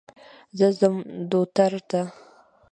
زه ځم دوتر ته.